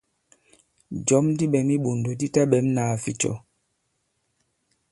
Jɔ̌m di ɓɛ̌m i iɓòndò di taɓɛ̌m nāa ficɔ.